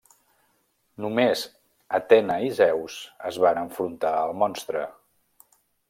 Només Atena i Zeus es van enfrontar al monstre.